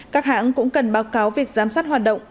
các hãng cũng cần báo cáo việc giám sát hoạt động